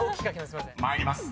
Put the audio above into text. ［参ります。